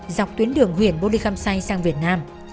dọc tuyến đường huyền bô ly khâm xay sang việt nam